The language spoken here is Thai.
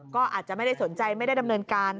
ก็อาจจะไม่ได้สนใจไม่ได้ดำเนินการ